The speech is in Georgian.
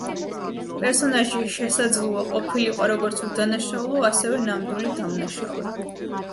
პერსონაჟი შესაძლოა ყოფილიყო, როგორც უდანაშაულო, ასევე ნამდვილი დამნაშავე.